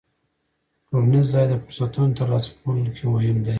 ټولنیز ځای د فرصتونو ترلاسه کولو کې مهم دی.